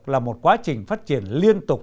là một quá trình phát triển liên tục